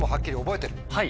はい！